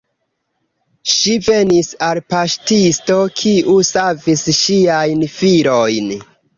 Ŝi venis al paŝtisto, kiu savis ŝiajn filojn.